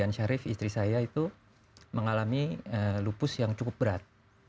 dan shamsi duhai dan ibu dian syarif istri saya itu mengalami lupus yang cukup berat